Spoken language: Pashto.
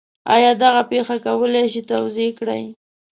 آیا دغه پېښه کولی شئ توضیح کړئ؟